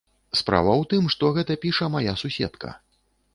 Справа ў тым, што гэта піша мая суседка.